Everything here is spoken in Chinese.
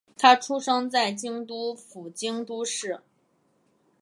她出生在京都府京都市。